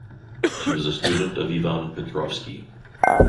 She was a student of Ivan Petrovsky.